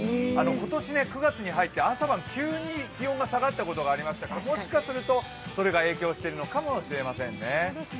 今年９月に入って朝晩急に気温が下がったことがあってもしかするとそれが影響しているのかもしれませんね。